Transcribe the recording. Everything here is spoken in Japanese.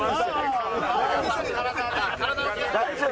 大丈夫？